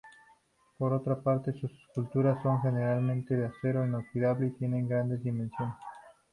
Por otra parte, sus esculturas son generalmente de acero inoxidable y tienen grandes dimensiones.